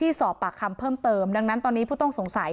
สอบปากคำเพิ่มเติมดังนั้นตอนนี้ผู้ต้องสงสัย